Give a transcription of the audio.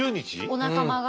お仲間が？